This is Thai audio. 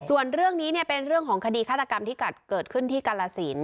ส่วนเรื่องนี้เป็นเรื่องของคดีฆาตกรรมที่เกิดขึ้นที่กาลสิน